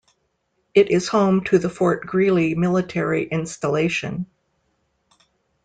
It is home to the Fort Greely military installation.